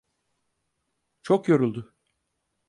Çok yoruldu.